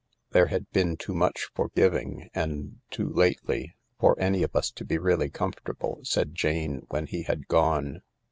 "There had been too much forgiving, and too lately, for any of us to be really comfortable," said Jane when he had gone.